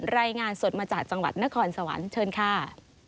รายงานสดมาจากจังหวัดนครสวรรค์เชิญค่ะ